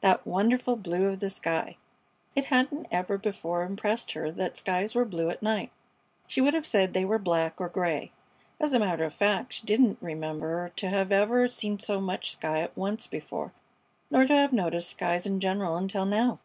That wonderful blue of the sky! It hadn't ever before impressed her that skies were blue at night. She would have said they were black or gray. As a matter of fact, she didn't remember to have ever seen so much sky at once before, nor to have noticed skies in general until now.